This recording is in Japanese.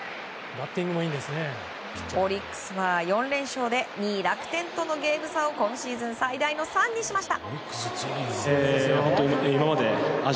オリックスは４連勝で２位、楽天とのゲーム差を今シーズン最大の３にしました。